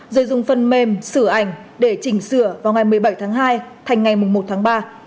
rồi dùng phần mềm sử ảnh để chỉnh sửa vào ngày một mươi bảy tháng hai thành ngày một tháng ba